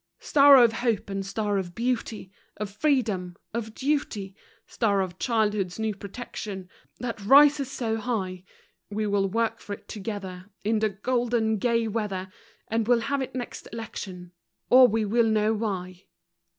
Star of Hope and Star of Beauty! Of Freedom! Of Duty! Star of childhood's new protection, That rises so high! We will work for it together In the golden, gay weather, And we'll have it next election, Or we will know why.